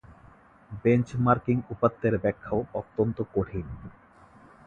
Benchmarking উপাত্তের ব্যাখ্যাও অত্যন্ত কঠিন।